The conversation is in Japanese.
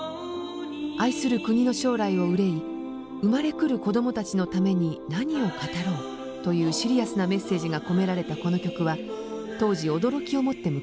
「愛する国の将来を憂い生まれ来る子供たちのために何を語ろう」というシリアスなメッセージが込められたこの曲は当時驚きを持って迎えられました。